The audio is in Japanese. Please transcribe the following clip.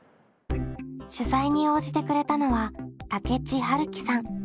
取材に応じてくれたのは武知治樹さん。